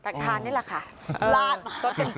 แต่ทานนี่แหละค่ะ